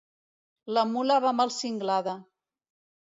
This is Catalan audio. La mula va mal cinglada.